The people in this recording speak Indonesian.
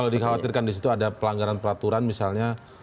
jadi khawatirkan disitu ada pelanggaran peraturan misalnya